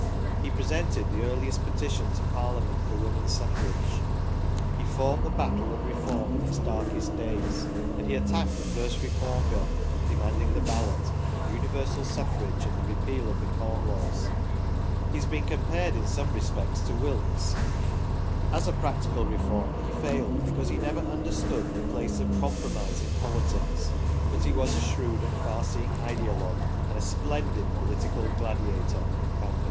He presented the earliest petition to Parliament for Women's Suffrage ; he fought the battle of Reform in its darkest days ; and he attacked the first Reform Bill, de manding the Ballot, Universal Suffrage, and the repeal of the Corn Laws. He has been compared in some respects to Wilkes. " As a practical Reformer he failed because he never understood the place of compromise in politics, but he was a shrewd and far seeing ideologue and a splendid political gladiator."